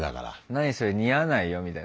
「何それ似合わないよ」みたいな。